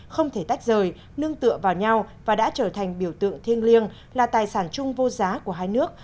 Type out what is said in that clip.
không thể tách rời nương tựa vào nhau và đã trở thành biểu tượng thiêng liêng là tài sản chung vô giá của hai nước